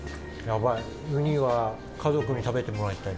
ウニは家族に食べてもらいたい。